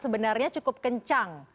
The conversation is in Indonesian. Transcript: sebenarnya cukup kencang